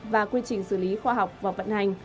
và quy trình xử lý khoa học và vận hành